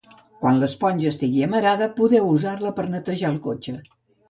Quan l'esponja estigui amarada, podeu usar-la per netejar el cotxe.